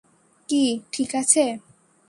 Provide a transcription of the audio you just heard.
কী, ঠিক আছে?